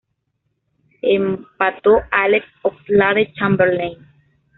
Empató Alex Oxlade-Chamberlain.